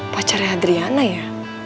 pacarnya adriana ya